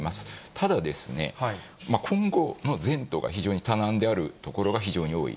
ただですね、今後の前途が非常に多難であるところが非常に多い。